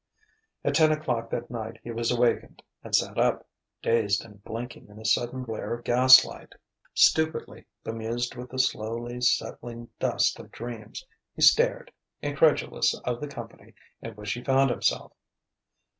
At ten o'clock that night he was awakened and sat up, dazed and blinking in a sudden glare of gas light. Stupidly, bemused with the slowly settling dust of dreams, he stared, incredulous of the company in which he found himself.